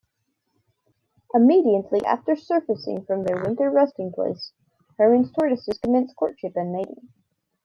Immediately after surfacing from their winter resting place, Hermann's tortoises commence courtship and mating.